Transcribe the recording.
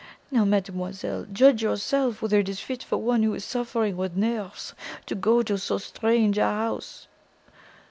Now, mademoiselle, judge yourself whether it is fit for one who is suffering with nerves to go to so strange a house!"